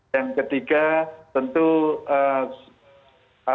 yang ketiga tentu apa